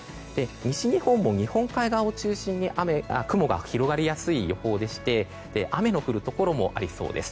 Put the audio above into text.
西日本も日本海側を中心に雲が広がりやすい予報でして雨の降るところもありそうです。